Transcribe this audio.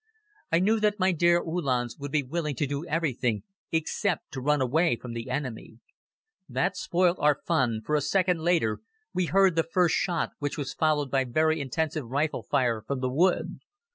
I knew that my dear Uhlans would be willing to do everything except to run away from the enemy. That spoilt our fun, for a second later we heard the first shot which was followed by very intensive rifle fire from the wood.